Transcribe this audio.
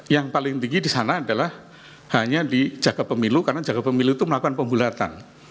yang paling tinggi di sana adalah hanya di jaga pemilu karena jaga pemilu itu melakukan pembulatan